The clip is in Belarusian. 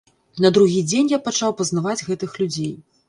На другі дзень я пачаў пазнаваць гэтых людзей.